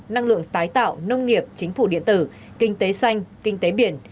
năng lượng tái tạo nông nghiệp chính phủ điện tử kinh tế xanh kinh tế biển